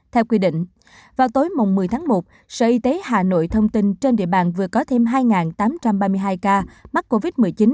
theo quy định vào tối một mươi tháng một sở y tế hà nội thông tin trên địa bàn vừa có thêm hai tám trăm ba mươi hai ca mắc covid một mươi chín